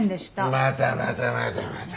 またまたまたまた。